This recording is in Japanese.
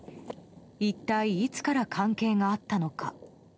一体いつから関係があったのか。